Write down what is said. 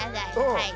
はい。